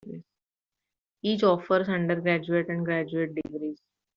Each offers undergraduate and graduate degrees.